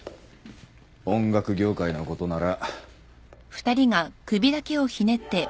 音楽業界のことなら。